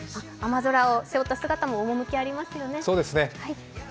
雨空を背負った姿も趣ありますよね。